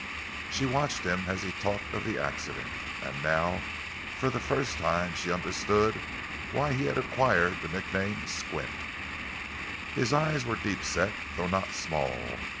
She watched him as he talked of the accident. And now for the first time she understood why he had acquired the nickname Squint. His eyes were deep set, though not small.